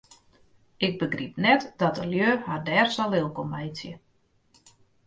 Ik begryp net dat de lju har dêr sa lilk om meitsje.